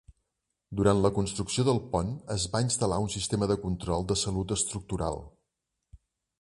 Durant la construcció del pont es va instal·lar un sistema de control de salut estructural.